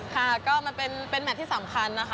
ค่ะก็มันเป็นแมทที่สำคัญนะคะ